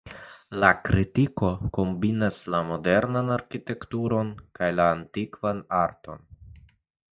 La kirko kombinas la modernan arkitekturon kaj la antikvan arton.